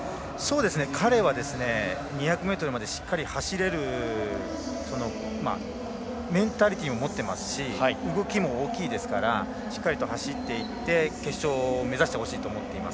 彼は２００ｍまでしっかり走れるメンタリティーを持っていますし動きも大きいのでしっかりと走っていって決勝を目指してほしいと思っています。